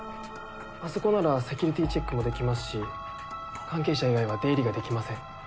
あそこならセキュリティーチェックもできますし関係者以外は出入りができません。